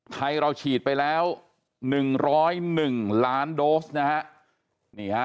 ไทยเราฉีดไปแล้ว๑๐๑ล้านโดสนะฮะ